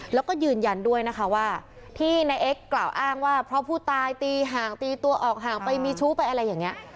แล้วก็ยืนยันด้วยนะคะว่าที่นายเอ็กซกล่าวอ้างว่าเพราะผู้ตายตีห่างตีตัวออกห่างไปมีชู้ไปอะไรอย่างนี้